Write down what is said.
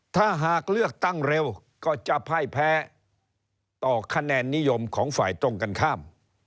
ถ้าหากเลือกตั้งเร็วก็จะไพ่แพ้ต่อคะแนนนิยมของฝ่ายตรงกันข้าม